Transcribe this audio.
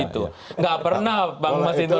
nggak pernah bang mas hinton